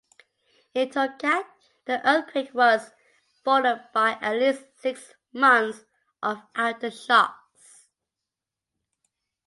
In Tokat the earthquake was followed by at least six months of aftershocks.